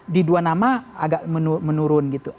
di dua nama agak menurun gitu